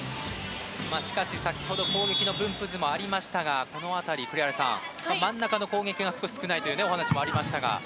しかし先ほど攻撃の分布図もありましたがこの辺り、栗原さん真ん中の攻撃が少ないというお話もありましたが。